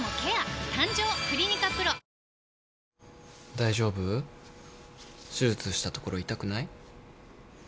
大丈夫？手術した所痛くない？